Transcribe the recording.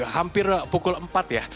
hampir pukul empat ya